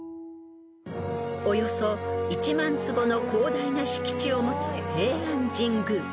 ［およそ１万坪の広大な敷地を持つ平安神宮］